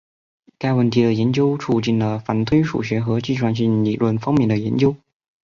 该问题的研究促进了反推数学和计算性理论方面的研究。